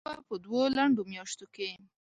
دا به په دوو لنډو میاشتو کې